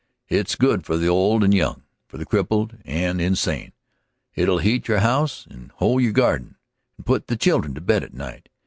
It's good for the old and the young, for the crippled and the in sane; it'll heat your house and hoe your garden, and put the children to bed at night.